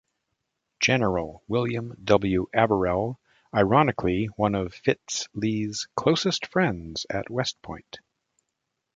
General William W. Averell, ironically one of Fitz Lee's closest friends at West Point.